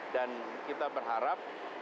dan kita berharap